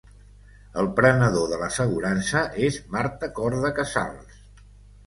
El prenedor de l'assegurança és Marta Corda Casals.